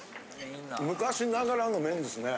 昔ながらの麺っすね。